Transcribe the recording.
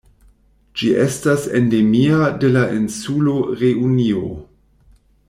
Ĝi estas endemia de la insulo Reunio.